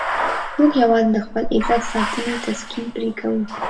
موږ یوازې د خپل عزت ساتنې تسکین پرې کوو.